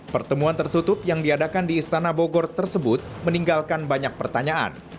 pertemuan tertutup yang diadakan di istana bogor tersebut meninggalkan banyak pertanyaan